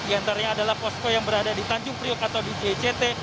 di antaranya adalah posko yang berada di tanjung priok atau di jct